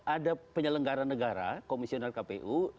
ada penyelenggara negara komisioner kpu